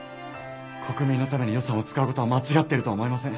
国民のために予算を使う事は間違っているとは思えません。